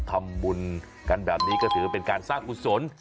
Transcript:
ทำบุญกันแบบนี้ก็ถือว่าเป็นการสร้างกุศล